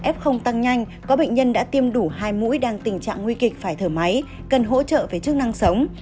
f tăng nhanh có bệnh nhân đã tiêm đủ hai mũi đang tình trạng nguy kịch phải thở máy cần hỗ trợ về chức năng sống